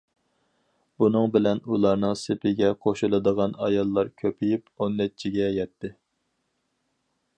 بۇنىڭ بىلەن ئۇلارنىڭ سېپىگە قوشۇلىدىغان ئاياللار كۆپىيىپ، ئون نەچچىگە يەتتى.